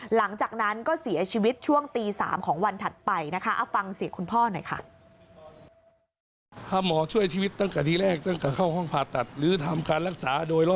หลังจากนั้นก็เสียชีวิตช่วงตี๓ของวันถัดไปนะคะ